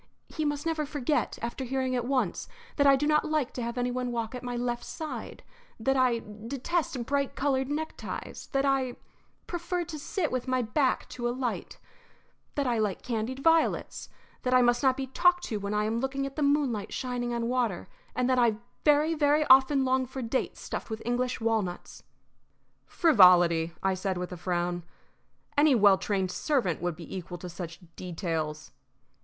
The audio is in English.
He must never forget, after hearing it once, that I do not like to have any one walk at my left side; that I detest bright colored neckties; that I prefer to sit with my back to a light; that I like candied violets; that I must not be talked to when I am looking at the moonlight shining on water, and that I very, very often long for dates stuffed with English walnuts." "Frivolity," I said, with a frown. "Any well trained servant would be equal to such details."